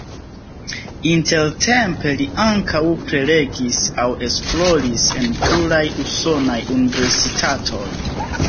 Intertempe li ankaŭ prelegis aŭ esploris en pluraj usonaj universitatoj.